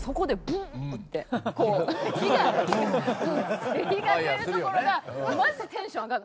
ブーッて火が出るところがマジでテンション上がる。